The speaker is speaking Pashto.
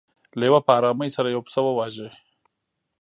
لیوه په ارامۍ سره یو پسه وواژه.